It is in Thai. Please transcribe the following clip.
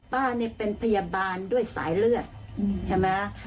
ป้าเนี่ยเป็นพยาบาลด้วยสายเลือดใช่ไหม